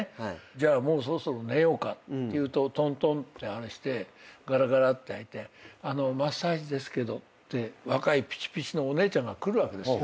じゃあもうそろそろ寝ようかっていうとトントンってあれしてガラガラって開いて「マッサージですけど」って若いぴちぴちのお姉ちゃんが来るわけですよ。